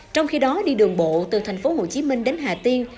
trong khi đó đi đường bộ từ thành phố hồ chí minh đến hà tiên